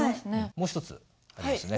もう一つありますね。